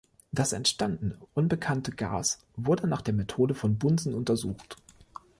Das entstandene unbekannte Gas wurde nach der Methode von Bunsen untersucht.